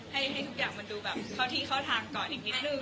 ให้ทุกอย่างมันคอตี้ข้อทางก่อนอีกนิดหนึ่ง